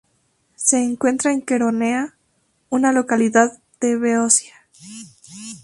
Se encuentra en Queronea, una localidad de Beocia.